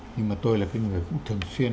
nhưng mà tôi là người cũng thường xuyên